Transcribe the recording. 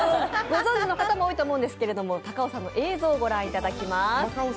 ご存じの方も多いと思うんですけど、高尾山の映像を御覧いただきます。